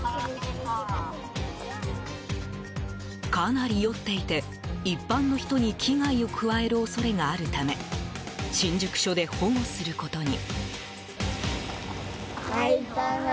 かなり酔っていて、一般の人に危害を加える恐れがあるため新宿署で保護することに。